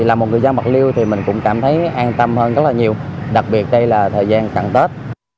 là một người dân bạc liêu thì mình cũng cảm thấy an tâm hơn rất là nhiều đặc biệt đây là thời gian cận tết